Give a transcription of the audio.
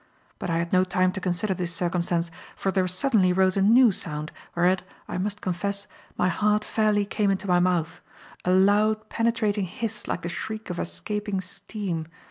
But I had no time to consider this circumstance, for there suddenly rose a new sound, whereat, I must confess my heart fairly came into my mouth; a loud, penetrating hiss like the shriek of escaping steam.